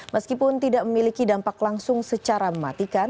meskipun tidak memiliki dampak langsung secara mematikan